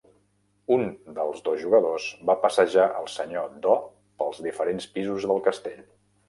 Un dels dos jugadors va passejar el Senyor Do pels diferents pisos del castell.